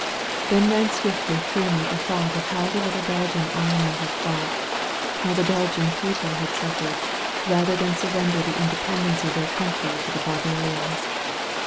'' Then ran swiftly through me the thought of how the little Belgian army had fought, how the Bel gian people had suffered, rather than surrender the independence of their country to the barbarians.